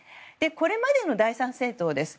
これまでの第３政党です。